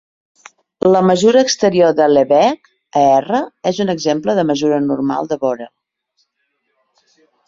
La mesura exterior de Lebesgue a R és un exemple de mesura normal de Borel.